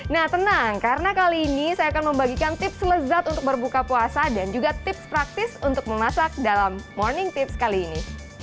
nah tenang karena kali ini saya akan membagikan tips lezat untuk berbuka puasa dan juga tips praktis untuk memasak dalam morning tips kali ini